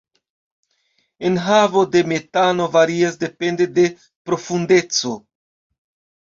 Enhavo de metano varias depende de profundeco.